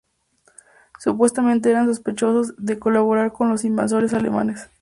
Supuestamente eran sospechosos de colaborar con los invasores alemanes.